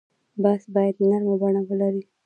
بحث باید نرمه بڼه ولري.